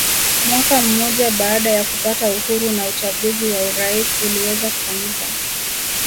Mwaka mmoja baada ya kupata uhuru na uchaguzi wa urais uliweza kufanyika